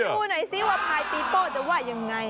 ขอรู้หน่อยซิว่าพลายปีโป้จะไหว้ยังไง